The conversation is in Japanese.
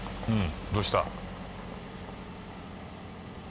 どうした？